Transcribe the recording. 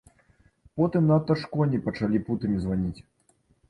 Потым надта ж коні пачалі путамі званіць.